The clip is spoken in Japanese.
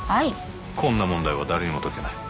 こんな問題は誰にも解けない当たり前です